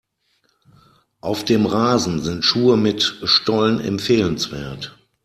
Auf dem Rasen sind Schuhe mit Stollen empfehlenswert.